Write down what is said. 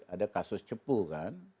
ada kasus cepu kan